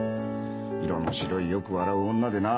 色の白いよく笑う女でな